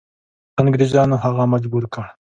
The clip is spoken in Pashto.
انګریزانو هغه مجبور کړ.